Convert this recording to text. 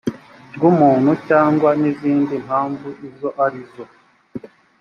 bw umuntu cyangwa izindi mpamvu izo arizo